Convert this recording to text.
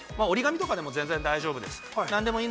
折り紙とかでも全然大丈夫です。